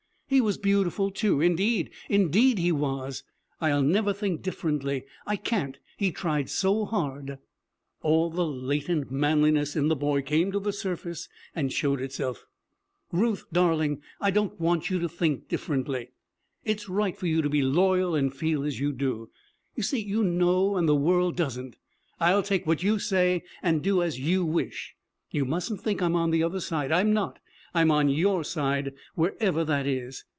He was beautiful, too; indeed, indeed, he was. I'll never think differently. I can't. He tried so hard.' All the latent manliness in the boy came to the surface and showed itself. 'Ruth, darling, I don't want you to think differently. It's right for you to be loyal and feel as you do. You see, you know, and the world doesn't. I'll take what you say and do as you wish. You mustn't think I'm on the other side. I'm not. I'm on your side, wherever that is.